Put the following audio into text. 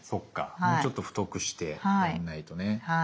もうちょっと太くしてやんないとね。